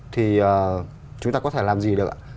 thì chúng ta có thể làm gì được